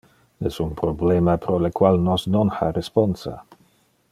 Es un problema pro le qual nos non ha responsa.